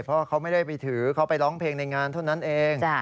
เพราะเขาไม่ได้ไปถือเขาไปร้องเพลงในงานเท่านั้นเอง